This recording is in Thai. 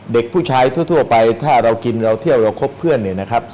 เด็กผู้ชายทั่วไปถ้าเรากินเราเที่ยวเราคบเพื่อนเนี่ยนะครับ